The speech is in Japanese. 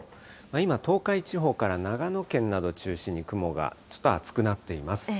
今、東海地方から長野県など中心に雲がちょっと厚くなっています。